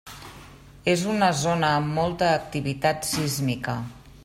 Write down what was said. És una zona amb molta activitat sísmica.